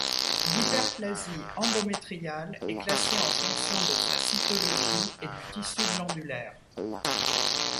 L'hyperplasie endométriale est classée en fonction de sa cytologie et du tissu glandulaire.